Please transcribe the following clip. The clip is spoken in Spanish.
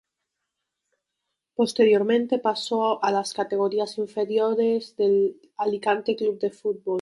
Posteriormente pasó a las categorías inferiores del Alicante Club de Fútbol.